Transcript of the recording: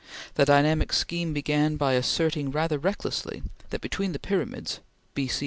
The dynamic scheme began by asserting rather recklessly that between the Pyramids (B.C.